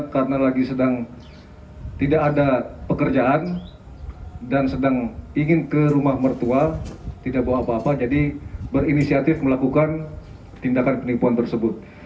karena lagi sedang tidak ada pekerjaan dan sedang ingin ke rumah mertua tidak bawa apa apa jadi berinisiatif melakukan tindakan penipuan tersebut